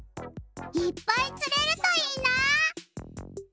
いっぱいつれるといいな！